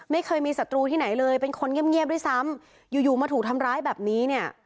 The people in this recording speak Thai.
ไม่เคยมีศัตรูที่ไหนเลยเป็นคนเงียบด้วยซ้ำอยู่อยู่มาถูกทำร้ายแบบนี้เนี่ย